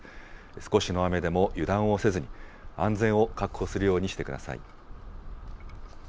少しの雨でも油断をせずに、安全を確保するようにしてください。